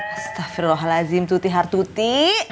astaghfirullahaladzim tuti hartuti